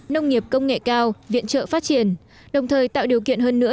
nông nghiệp công nghệ cao viện trợ phát triển đồng thời tạo điều kiện hơn nữa